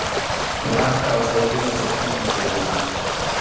Wak kawsaqkuna chiqniqmi chay runaqa.